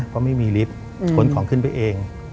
เพราะไม่มีลิฟท์ขนของขึ้นไปเอง